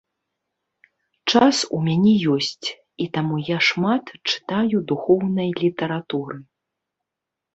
Час у мяне ёсць, і таму я шмат чытаю духоўнай літаратуры.